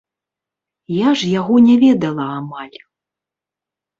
Я ж яго не ведала амаль.